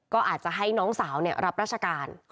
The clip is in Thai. ก็อาจจะให้น้องสาวรับราชการ